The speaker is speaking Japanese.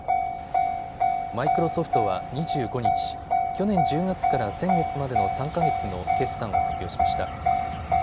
マイクロソフトは２５日、去年１０月から先月までの３か月の決算を発表しました。